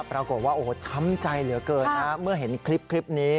ปรากฏว่าโอ้โหช้ำใจเหลือเกินฮะเมื่อเห็นคลิปนี้